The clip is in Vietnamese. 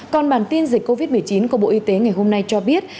còn bản tin dịch covid một mươi chín của bộ y tế ngày hôm nay cho biết